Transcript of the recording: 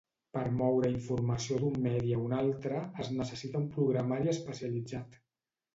Per moure informació d'un medi a un altre, es necessita un programari especialitzat.